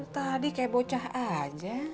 tadi kayak bocah aja